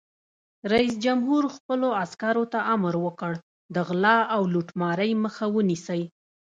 رئیس جمهور خپلو عسکرو ته امر وکړ؛ د غلا او لوټمارۍ مخه ونیسئ!